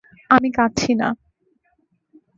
আমি কাদছি না।